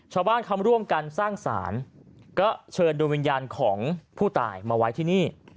ชาวบ้านเขาร่วมกันสร้างศาลก็เชิญดวงวิญญาณของผู้ตายมาไว้ที่นี่